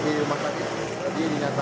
di rumah sakit